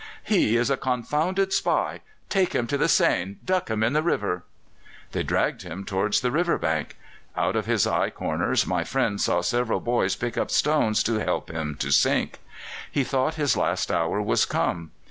"He is a confounded spy! Take him to the Seine! duck him in the river!" They dragged him towards the river bank. Out of his eye corners my friend saw several boys pick up stones to help him to sink. He thought his last hour was come.